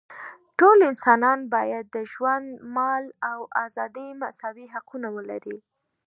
ټول انسانان باید د ژوند، مال او ازادۍ مساوي حقونه ولري.